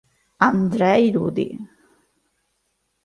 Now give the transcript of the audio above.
Andrzej Rudy